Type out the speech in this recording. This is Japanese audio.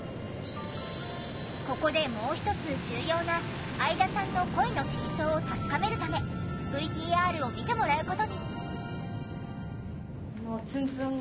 ここでもう一つ重要な相田さんの恋の真相を確かめるためＶＴＲを見てもらう事に。